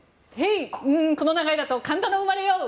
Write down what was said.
この流れだとへい、神田の生まれよ！